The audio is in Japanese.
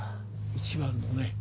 一番のね